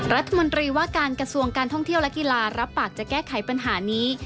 รัฐมนตรีว่าการกระทรวงการท่องเที่ยวและกีฬารับปากจะแก้ไขปัญหานี้